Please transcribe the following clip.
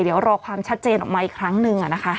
เดี๋ยวรอความชัดเจนออกมาอีกครั้งหนึ่งนะคะ